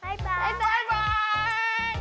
バイバイ！